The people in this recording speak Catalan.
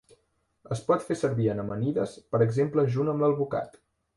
Es pot fer servir en amanides per exemple junt amb l'alvocat.